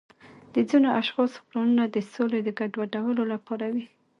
د ځینو اشخاصو پلانونه د سولې د ګډوډولو لپاره وي.